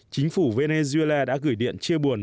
chính phủ venezuela đã gửi điện chia buồn